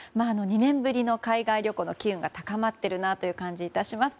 ２年ぶりの海外旅行の機運が高まっているなという感じが致します。